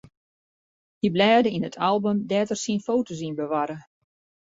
Hy blêde yn it album dêr't er syn foto's yn bewarre.